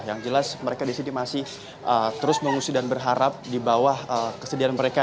yang jelas mereka di sini masih terus mengungsi dan berharap di bawah kesediaan mereka